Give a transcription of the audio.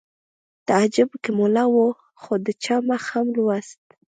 تعجب که ملا و خو د چا مخ هم لوست